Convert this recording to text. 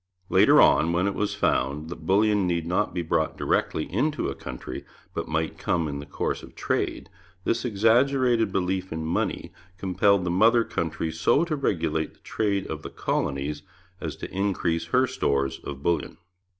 Later on, when it was found that bullion need not be brought directly into a country, but might come in the course of trade, this exaggerated belief in money compelled the mother country so to regulate the trade of the colonies as to increase her stores of bullion.